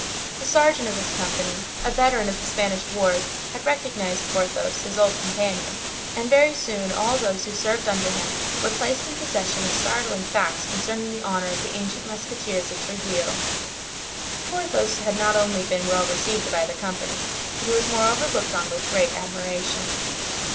The sergeant of this company, a veteran of the Spanish wars, had recognized Porthos, his old companion, and very soon all those who served under him were placed in possession of startling facts concerning the honor of the ancient musketeers of Tréville. Porthos had not only been well received by the company, but he was moreover looked on with great admiration.